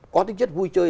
có tính chất vui chơi